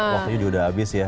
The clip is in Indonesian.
waktunya udah habis ya